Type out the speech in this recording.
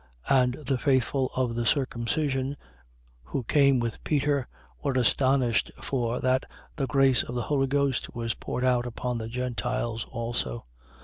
10:45. And the faithful of the circumcision, who came with Peter, were astonished for that the grace of the Holy Ghost was poured out upon the Gentiles also.